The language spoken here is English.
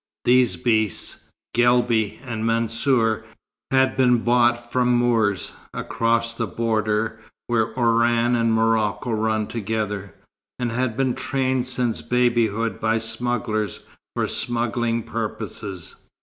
These beasts, Guelbi and Mansour, had been bought from Moors, across the border where Oran and Morocco run together, and had been trained since babyhood by smugglers for smuggling purposes.